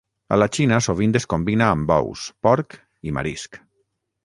A la Xina sovint es combina amb ous, porc i marisc.